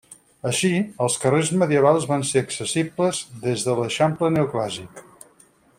Així, els carrers medievals van ser accessibles des de l'eixample neoclàssic.